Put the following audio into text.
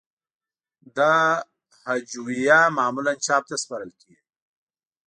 دا هجویه معمولاً چاپ ته سپارل کیږی.